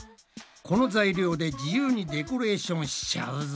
この材料で自由にデコレーションしちゃうぞ。